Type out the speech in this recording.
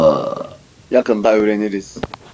Yakında öğreniriz.